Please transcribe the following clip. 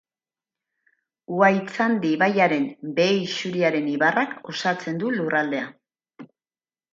Uhaitzandi ibaiaren behe-isuriaren ibarrak osatzen du lurraldea.